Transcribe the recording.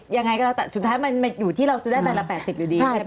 ยังไงก็แล้วแต่สุดท้ายมันอยู่ที่เราซื้อได้ใบละ๘๐อยู่ดีใช่ไหม